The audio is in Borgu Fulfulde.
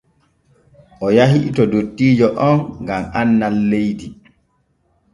O yahi to dottiijo on gam annal leydi.